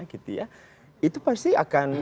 gitu ya itu pasti akan